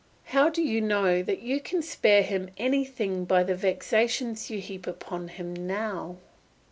How do you know that you can spare him anything by the vexations you heap upon him now?